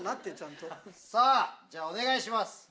さぁじゃお願いします。